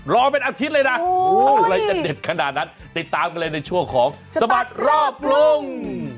รอเป็นอาทิตย์เลยนะอะไรจะเด็ดขนาดนั้นติดตามกันเลยในช่วงของสบัดรอบกรุง